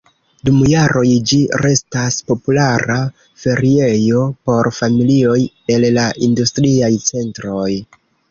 Dum jaroj ĝi restas populara feriejo por familioj el la industriaj centroj.